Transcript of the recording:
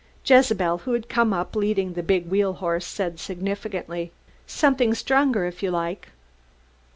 Jezebel, who had come up leading the big wheel horse, said significantly, "Somethin' stronger, if you like."